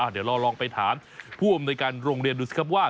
เดี๋ยวเราลองไปถามผู้อำนวยการโรงเรียนดูสิครับว่า